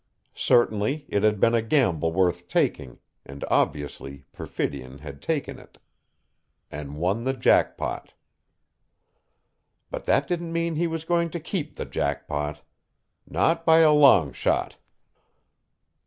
Certainly it had been a gamble worth taking, and obviously Perfidion had taken it. And won the jackpot. But that didn't mean he was going to keep the jackpot. Not by a long shot.